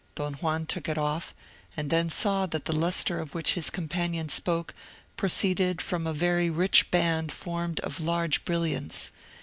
Don Juan took it off, and then saw that the lustre of which his companion spoke, proceeded from a very rich band formed of large brilliants.